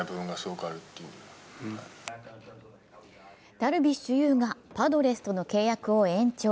ダルビッシュ有がパドレスとの契約を延長。